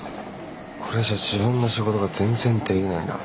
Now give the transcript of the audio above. これじゃ自分の仕事が全然できないな。